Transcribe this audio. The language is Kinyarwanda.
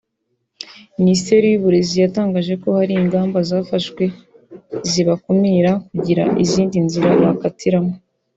Minisiteri y’Uburezi yatangaje ko hari ingamba zafashwe zibakumira kugira izindi nzira bakatiramo